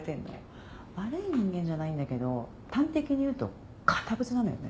悪い人間じゃないんだけど端的に言うと堅物なのよね。